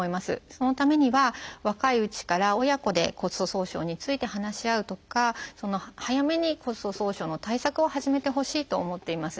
そのためには若いうちから親子で骨粗しょう症について話し合うとか早めに骨粗しょう症の対策を始めてほしいと思っています。